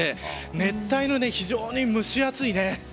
熱帯の非常に蒸し暑いね。